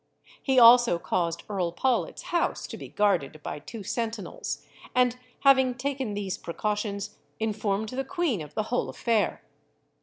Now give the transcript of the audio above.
He also caused Earl Pawlet's house to be guarded by two sentinels; and having taken these precautions, informed the queen of the whole affair.